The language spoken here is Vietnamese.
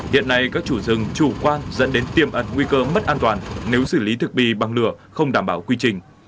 hiện nay các chủ rừng chủ quan dẫn đến tiềm ẩn nguy cơ mất an toàn nếu xử lý thực bì bằng lửa không đảm bảo quy trình